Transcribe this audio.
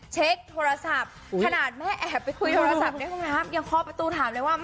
เช็คโทรศัพท์